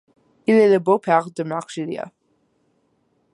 Il est le beau-père de Marc Julia.